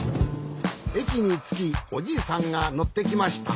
えきにつきおじいさんがのってきました。